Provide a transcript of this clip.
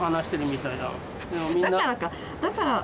だからか。